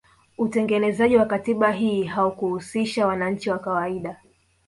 Utengenezaji wa katiba hii haukuhusisha wananchi wa kawaida